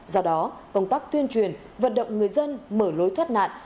do đó công tác tuyên truyền vận động người dân mở lối thoát nạn